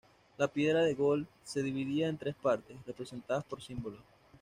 La "Piedra de Gol" se dividía en tres partes, representadas por símbolos.